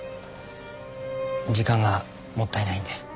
時間がもったいないので。